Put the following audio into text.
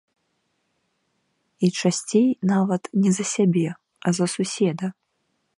І часцей нават не за сябе, а за суседа.